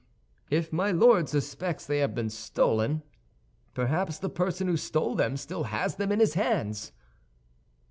"If my Lord suspects they have been stolen, perhaps the person who stole them still has them in his hands."